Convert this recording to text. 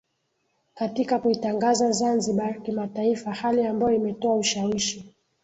katika kuitangaza Zanzibar Kimataifa hali ambayo imetoa ushawishi